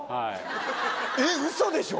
えっウソでしょ